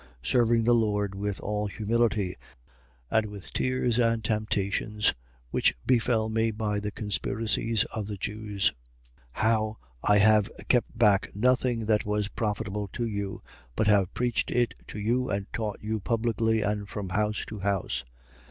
20:19. Serving the Lord with all humility and with tears and temptations which befell me by the conspiracies of the Jews: 20:20. How I have kept back nothing that was profitable to you, but have preached it to you, and taught you publicly, and from house to house, 20:21.